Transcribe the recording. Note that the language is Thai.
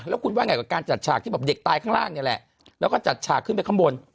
แล้วคุณว่าไงกับการจัดฉากที่แบบเด็กตายข้างล่างนี่แหละแล้วก็จัดฉากขึ้นไปข้างบน